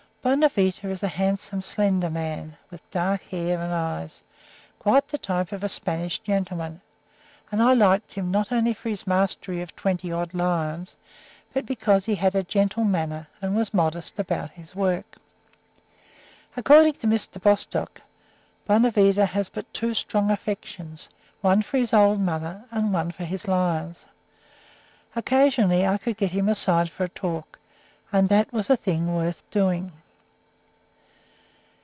Bonavita is a handsome, slender man, with dark hair and eyes, quite the type of a Spanish gentleman; and I liked him not only for his mastery of twenty odd lions, but because he had a gentle manner and was modest about his work. According to Mr. Bostock, Bonavita has but two strong affections: one for his old mother, and one for his lions. Occasionally I could get him aside for a talk, and that was a thing worth doing.